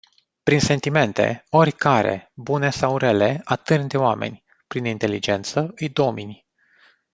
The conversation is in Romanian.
Prin sentimente oricare: bune sau rele, atârni de oameni. Prin inteligență îi domini.